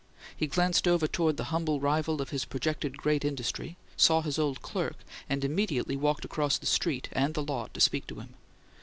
He glanced over toward the humble rival of his projected great industry, saw his old clerk, and immediately walked across the street and the lot to speak to him.